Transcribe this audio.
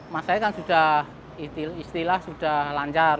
masa itu kan sudah istilah sudah lancar